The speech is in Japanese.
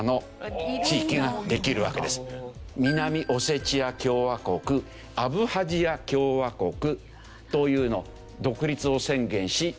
南オセチア共和国アブハジア共和国というの。